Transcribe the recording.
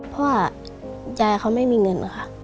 เพราะว่ายายเขาไม่มีเงินค่ะ